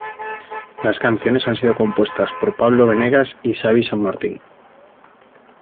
Las canciones han sido compuestas por Pablo Benegas y Xabi San Martín.